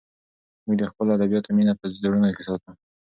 موږ د خپلو ادیبانو مینه په زړونو کې ساتو.